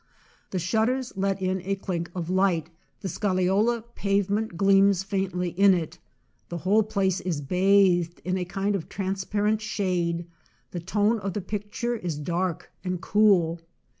The shut ters let in a clink of light; the scagliola pavement gleams faintly in it; the whole place is bathed in a kind of transparent shade; the tone of the picture is dark and cool.